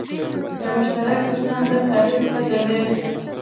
د مشترک دښمن د تعریف په دلیل.